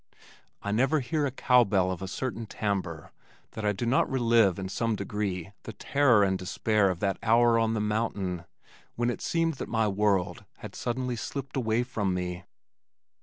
I never hear a cow bell of a certain timbre that I do not relive in some degree the terror and despair of that hour on the mountain, when it seemed that my world had suddenly slipped away from me.